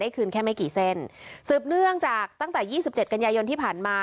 คืนแค่ไม่กี่เส้นสืบเนื่องจากตั้งแต่ยี่สิบเจ็ดกันยายนที่ผ่านมา